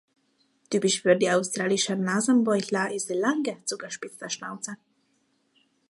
Typisch für die Australischen Nasenbeutler ist die lange, zugespitzte Schnauze.